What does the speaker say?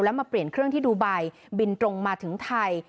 แล้วมาเปลี่ยนเครื่องที่ดูไบบินตรงมาถึงไทย